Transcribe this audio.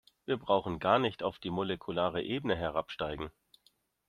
Wir brauchen gar nicht auf die molekulare Ebene herabsteigen.